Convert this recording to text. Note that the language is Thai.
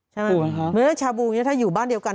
ใช่ไหมชาบูอย่างนี้ถ้าอยู่บ้านเดียวกัน